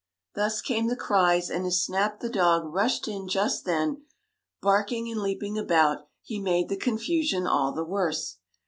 Thus came the cries, and as Snap, the dog, rushed in just then, barking and leaping about, he made the confusion all the worse.